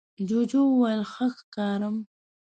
جوجو وویل ښه ښکارم؟